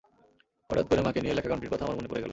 হঠাত্ করে মাকে নিয়ে লেখা গানটির কথা আমার মনে পড়ে গেল।